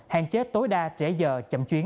hạn chế tối đa trẻ giờ chậm chuyến